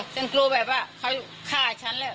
จนกลัวแบบว่าเขาฆ่าฉันแล้ว